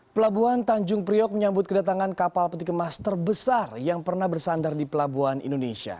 pelabuhan tanjung priok menyambut kedatangan kapal peti kemas terbesar yang pernah bersandar di pelabuhan indonesia